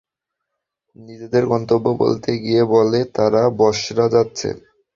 নিজেদের গন্তব্য বলতে গিয়ে বলে, তারা বসরা যাচ্ছে।